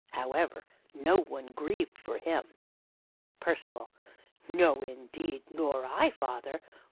However, no one grieved for him." Percival. No, indeed; nor I, father.